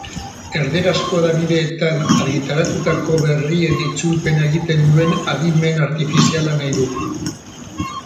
Erdarazko hedabideetan argitaratutako berrien itzulpena egiten duen adimen artifiziala nahi dut.